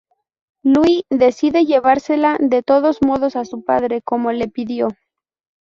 Lui decide llevársela de todos modos a su padre, como le pidió.